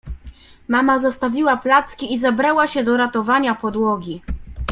Mama zostawiła placki i zabrała się do ratowania podłogi.